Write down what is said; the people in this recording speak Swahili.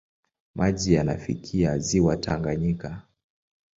Maji yanafikia ziwa Tanganyika.